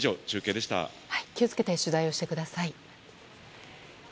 気を付けて取材してください。